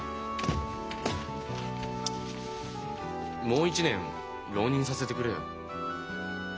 もう一年浪人させてくれよ。